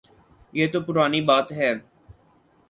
یہ تو پرانی بات ہے۔